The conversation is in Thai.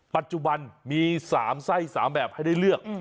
ปัจจุบันมี๓ไส้๓แบบให้ได้เลือก